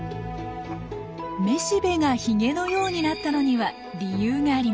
めしべがヒゲのようになったのには理由があります。